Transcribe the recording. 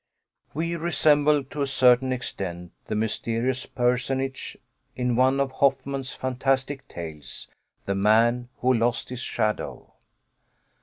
We resembled, to a certain extent, the mysterious personage in one of Hoffmann's fantastic tales the man who lost his shadow.